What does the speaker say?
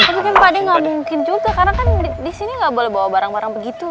mungkin pak ade nggak mungkin juga karena kan di sini nggak boleh bawa barang barang begitu